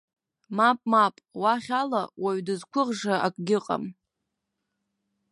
Мап, мап, уахь ала уаҩ дзықәгәыӷша акгьы ыҟам!